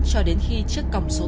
cho đến khi chiếc còng số tám